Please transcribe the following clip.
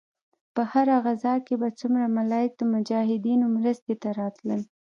په هره غزوه کښې به څومره ملايک د مجاهدينو مرستې ته راتلل.